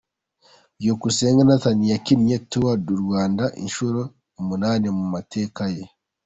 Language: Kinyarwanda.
Byukusenge Nathan yakinnye Tour du Rwanda inshuro umunani mu mateka ye.